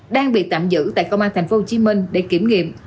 đang bị tạm giữ tại công an tp hcm để kiểm nghiệm